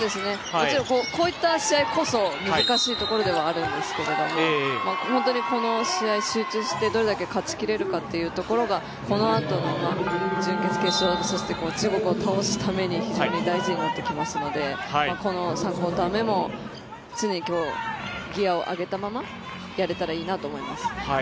こういった試合こそ難しいところではあるんですけども、本当に、この試合集中して、どれだけ勝ちきれるかというところがこのあとの準決勝、決勝そして中国を倒すために非常に大事になってきますのでこの３クオーター目も常に、ギアを上げたままやれたらいいなと思います。